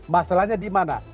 masalahnya di mana